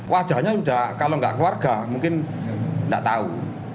wajahnya kalau nggak keluarga mungkin nggak tahu